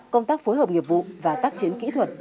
công tác phối hợp nghiệp vụ và tác chiến kỹ thuật